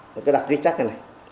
nó cứ đặt dít chắc như này